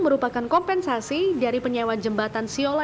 merupakan kompensasi dari penyewa jembatan siola